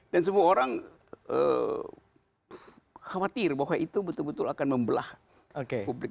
dan semua orang khawatir bahwa itu betul betul akan membelah publik